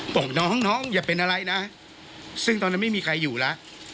บอกน้องน้องอย่าเป็นอะไรนะซึ่งตอนนั้นไม่มีใครอยู่แล้ว